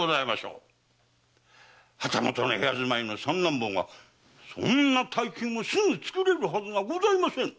旗本の部屋住まいの三男坊がそんな大金をすぐ作れるはずがございません！